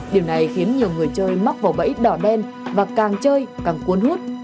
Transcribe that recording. điều này khiến nhiều người chơi mắc vào bẫy đỏ đen và càng chơi càng cuốn hút